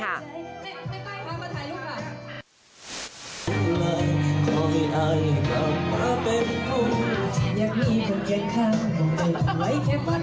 ป๊าดได้ข้อมูลจดชิมคุณ